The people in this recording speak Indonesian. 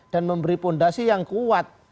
dan memberi fondasi yang kuat